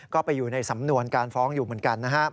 ก็ไปอยู่ในสำนวนการฟ้องอยู่เหมือนกันนะครับ